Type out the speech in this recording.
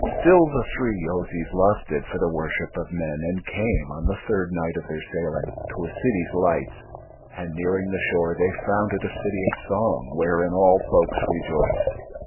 Still the three Yozis lusted for the worship of men, and came, on the third night of their sailing, to a city's lights; and nearing the shore they found it a city of song wherein all folks rejoiced.